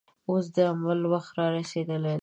اوس د عمل وخت رارسېدلی دی.